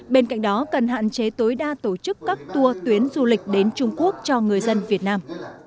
bên cạnh đó cần hạn chế tối đa tổ chức các tour tuyến du lịch đến trung quốc cho người dân việt nam